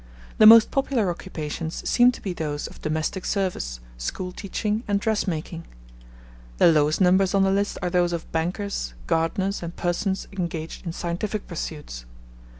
The most popular occupations seem to be those of domestic service, school teaching, and dressmaking; the lowest numbers on the list are those of bankers, gardeners, and persons engaged in scientific pursuits.